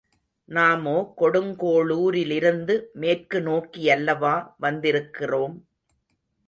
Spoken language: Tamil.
நாமோ, கொடுங்கோளூரிலிருந்து மேற்கு நோக்கியல்லவா வந்திருக்கிறோம்.